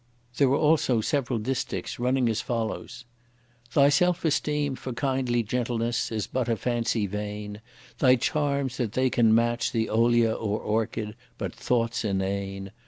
There were also several distiches running as follows: Thy self esteem for kindly gentleness is but a fancy vain! Thy charms that they can match the olea or orchid, but thoughts inane!